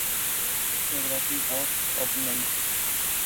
Geographic Board of Names.